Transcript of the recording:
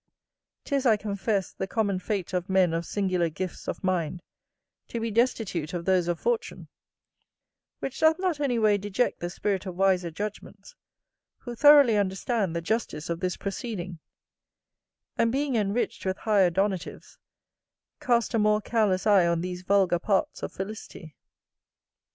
'Tis, I confess, the common fate of men of singular gifts of mind, to be destitute of those of fortune; which doth not any way deject the spirit of wiser judgments who thoroughly understand the justice of this proceeding; and, being enriched with higher donatives, cast a more careless eye on these vulgar parts of felicity.